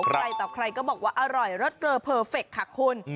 ใครต่อใครก็บอกว่าอร่อยรสเกลอเพอร์เฟคค่ะคุณ